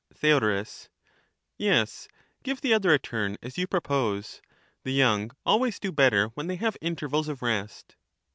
Theod, Yes, give the other a turn, as you propose. The young always do better when they have intervals of rest.